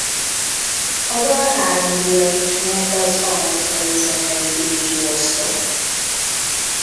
A dal három díjat is nyert az Amerikai Zenei díjkiosztón.